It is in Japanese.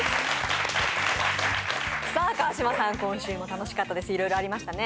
川島さん、今週も楽しかったです、いろいろありましたね。